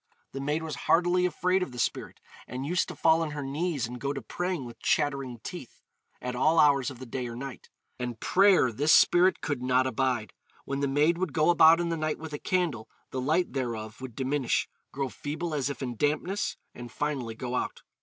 The maid was heartily afraid of the spirit, and used to fall on her knees and go to praying with chattering teeth, at all hours of the day or night; and prayer this spirit could not abide. When the maid would go about in the night with a candle, the light thereof would diminish, grow feeble as if in dampness, and finally go out.